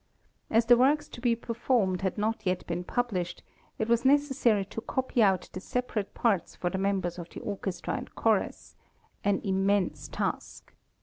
As the works to be performed had not yet been published, it was necessary to copy out the separate parts for the members of the orchestra and chorus, an immense task.